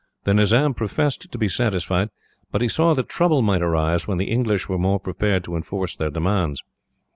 The Nizam professed to be satisfied, but he saw that trouble might arise when the English were more prepared to enforce their demands.